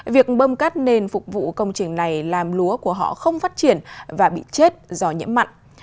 việc bơm cắt nền phục vụ công trình này làm lúa của họ không phát triển và bị chết do nhiễm mặn